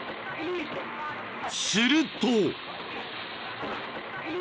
［すると］